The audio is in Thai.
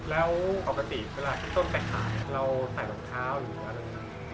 แล้วปกติเวลาที่ต้นไปขายเราใส่รองเท้าหรืออะไร